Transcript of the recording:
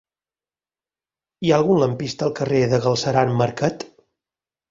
Hi ha algun lampista al carrer de Galceran Marquet?